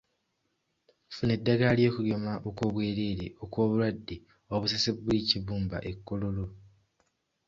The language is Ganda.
Funa eddagala ly'okugema okwoberere okw'obulwadde obusesebbula ekibumba e Kololo.